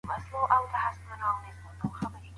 وشوه، بس د تلو او نه راتلو خبرې نورې دي